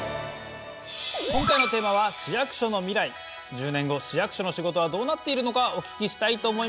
１０年後市役所の仕事はどうなっているのかお聞きしたいと思います。